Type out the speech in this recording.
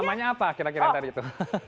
namanya apa kira kira tadi itu